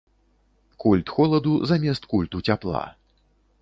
Культ холаду замест культу цяпла.